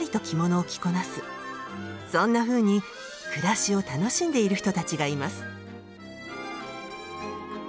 そんなふうに暮らしを楽しんでいる人たちがいます。